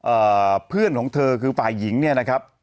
เอ่อเพื่อนของเธอคือฝ่ายหญิงเนี่ยนะครับ